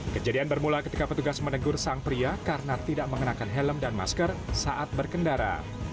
kejadian bermula ketika petugas menegur sang pria karena tidak mengenakan helm dan masker saat berkendara